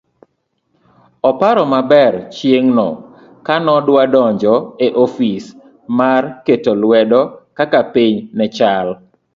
oparo maber chieng'no kano dwaro donjo e ofis mar ketoluedokakapinynechal